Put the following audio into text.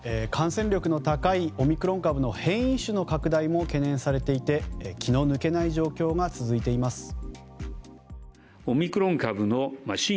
感染力の高いオミクロン株の変異種の拡大も懸念されていて気の抜けない状況が続いてます。